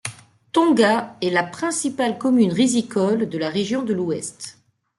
Tonga est la principale commune rizicole de la région de l’ouest.